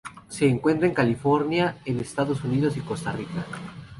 Se encuentra en California en Estados Unidos y Costa Rica.